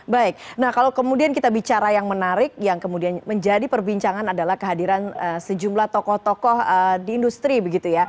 baik nah kalau kemudian kita bicara yang menarik yang kemudian menjadi perbincangan adalah kehadiran sejumlah tokoh tokoh di industri begitu ya